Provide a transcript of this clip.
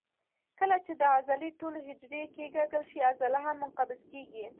کله چې د عضلې ټولې حجرې کیکاږل شي عضله هم منقبض کېږي.